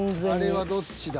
あれはどっちだ？